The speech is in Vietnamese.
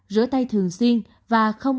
rửa tay thường xuyên và không